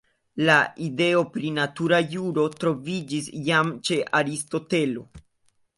La ideo pri natura juro troviĝis jam ĉe Aristotelo.